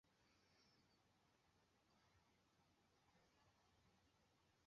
Es citada por Esteban de Bizancio y por el "Periplo de Pseudo-Escílax".